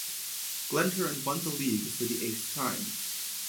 Glentoran won the league for the eighth time.